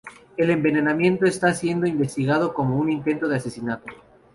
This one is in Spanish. El envenenamiento está siendo investigado como un intento de asesinato.